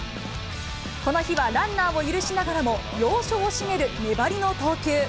この日はランナーを許しながらも、要所を締める粘りの投球。